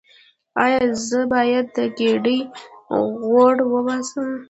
ایا زه باید د ګیډې غوړ وباسم؟